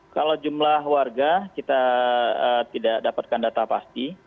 kalau jumlah warga kita tidak dapatkan data pasti